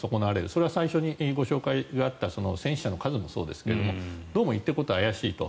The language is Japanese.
それは最初にご紹介があった戦死者の数もそうですがどうも言っていることが怪しいと。